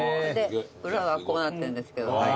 裏はこうなってるんですけど。